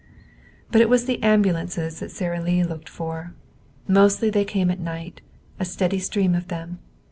But it was the ambulances that Sara Lee looked for. Mostly they came at night, a steady stream of them.